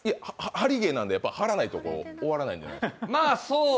貼り芸なんで貼らないと終わらないんです。